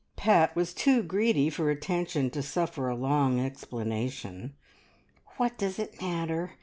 Pat was too greedy for attention to suffer a long explanation. "What does it matter?